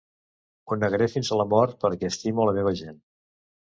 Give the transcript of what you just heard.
Ho negaré fins a la mort, perquè estimo la meva gent.